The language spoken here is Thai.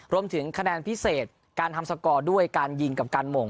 รวมถึงคะแนนพิเศษการทำสกอร์ด้วยการยิงกับการหม่ง